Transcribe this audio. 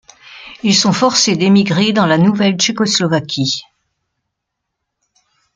Ils sont forcés d'émigrer dans la nouvelle Tchécoslovaquie.